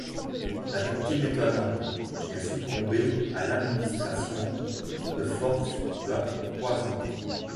La victime est un homme qui a succombé à l'administration de force d'un poison.